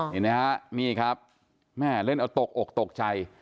เห็นไหมฮะนี่ครับแม่เล่นเอาตกอกตกใจ